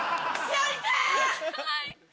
はい。